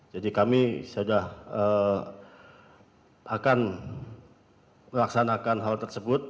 jadi kami sudah akan melaksanakan hal tersebut